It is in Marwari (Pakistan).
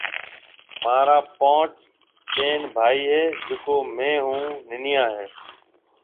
مهارا پونچ ٻين ڀائِي هيَ جيڪو مهيَ هون ننَييا هيَ